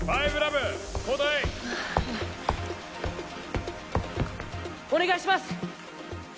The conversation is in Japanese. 交代！お願いします！